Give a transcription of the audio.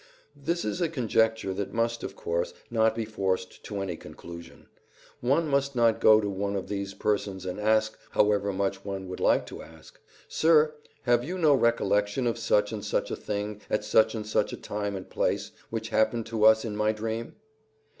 This is a conjecture that must, of course, not be forced to any conclusion. One must not go to one of these persons and ask, however much one would like to ask: "Sir, have you no recollection of such and such a thing, at such and such a time and place, which happened to us in my dream?"